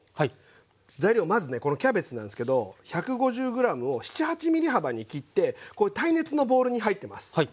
材料まずねこのキャベツなんすけど１５０ｇを７８ｍｍ幅に切ってこういう耐熱のボウルに入ってます。